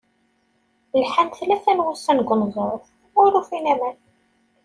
Lḥan tlata n wussan deg uneẓruf, ur ufin aman.